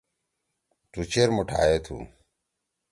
تُو چیر مُوٹھائے تُھو۔